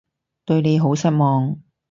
對你好失望